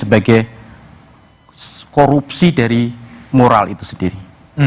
sebagai korupsi dari moral itu sendiri